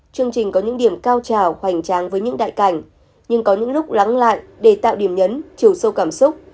chương trình có những điểm cao trào hoành tráng với những đại cảnh nhưng có những lúc lắng lại để tạo điểm nhấn chiều sâu cảm xúc